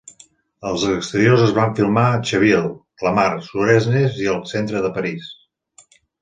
Els exteriors es van filmar a Chaville, Clamart, Suresnes i al centre de París.